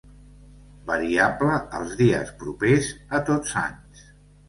Variable els dies propers a Tots Sants.